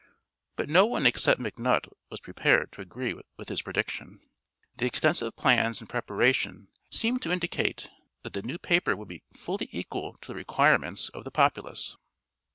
But no one except McNutt was prepared to agree with this prediction. The extensive plans in preparation seemed to indicate that the new paper would be fully equal to the requirements of the populace.